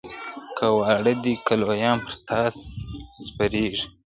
که واړه دي که لویان پر تا سپرېږي `